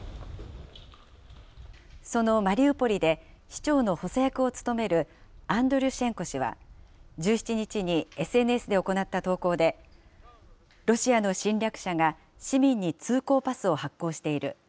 そのマリウポリで市長の補佐役を務めるアンドリュシェンコ氏は、１７日にＳＮＳで行った投稿で、ロシアの侵略者が、市民に通行パスを発行している。